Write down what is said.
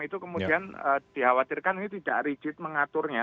itu kemudian dikhawatirkan ini tidak rigid mengaturnya